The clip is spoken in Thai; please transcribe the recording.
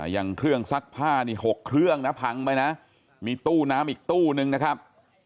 อย่างเครื่องซักผ้านี่๖เครื่องนะพังไปนะมีตู้น้ำอีกตู้นึงนะครับ